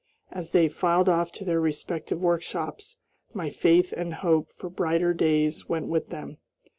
As they filed off to their respective workshops my faith and hope for brighter days went with them.